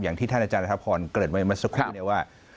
แหล่งที่ท่านอาจารย์ณธพรเกิดไว้มาสักครั้งเนี่ยว่า